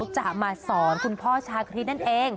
จะมาสอนคุณพ่อชาคริสนั่นเอง